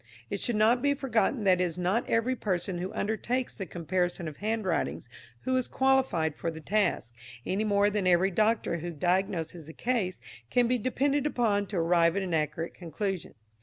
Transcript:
It should not be forgotten that it is not every person who undertakes the comparison of handwritings who is qualified for the task, any more than every doctor who diagnoses a case can be depended upon to arrive at an accurate conclusion.